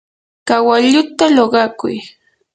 kawalluta luqakuy.